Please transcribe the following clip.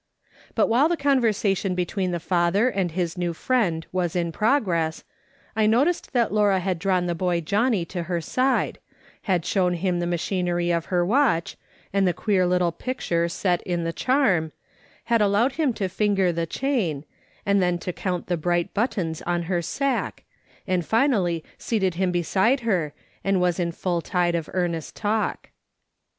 But while the conversation between the father and his new friend was in progress, I noticed that Laura had drawn the boy Johnny to her side, had shown him the machinery of her watch, and the queer little picture set in the charm, had allowed him to finger the chain, and then to count the bright buttons on her sack, and finally seated him beside her, and was in full tide of earnest talk. 6a MRS. SOLOMON' SMITH LOOKING ON.